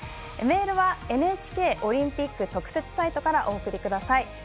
メールはＮＨＫオリンピック特設サイトからお送りください。